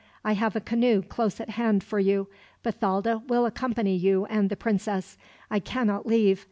"I have a canoe close at hand for you. Bathalda will accompany you and the princess. I cannot leave.